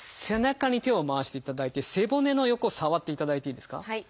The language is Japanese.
背中に手を回していただいて背骨の横触っていただいていいですか。